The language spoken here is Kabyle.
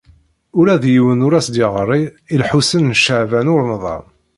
Ula d yiwen ur as-d-yeɣri i Lḥusin n Caɛban u Ṛemḍan.